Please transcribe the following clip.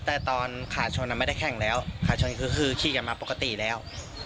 แต่ตอนขาชนไม่ได้แข่งแล้วขาชนคือขี่กันมาปกติแล้ว